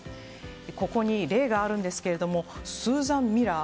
ここに、例がありますがスーザン・ミラー。